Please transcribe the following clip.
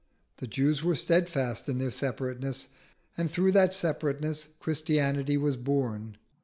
The Jews were steadfast in their separateness, and through that separateness Christianity was born.